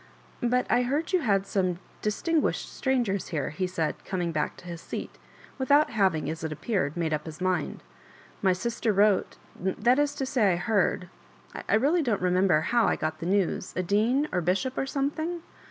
"But I heard you had some distinguished strangers here," he said, coming back to bis seat without having, as it appeared, made up his mind. " My sister wrote—that is to say I heard — I really don't remember how I got the news a dean, or bishop, or something